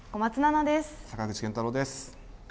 坂口健太郎です。